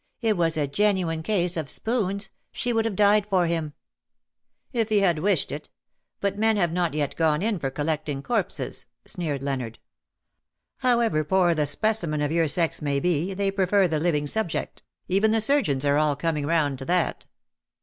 It was a genuine case of spoons — she would have died for him/"* " If he had wished it ; but men have not yet gone in for collecting corpses/' sneered Leonard. ^^ How ever poor the specimen of your sex may be, they prefer the living subject — even the surgeons are all coming round to that.''